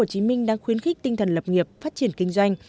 tp hcm đang khuyến khích tinh thần lập nghiệp phát triển kinh doanh